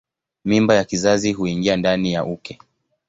Mimba ya kizazi huingia ndani ya uke.